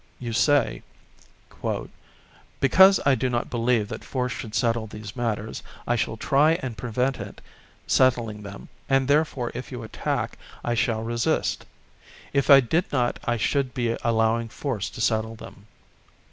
You say: "Because I do not believe that force should settle these matters, I shall try and prevent it settling them, and therefore if you attack I shall resist; if I did not I should be allowing force to settle them."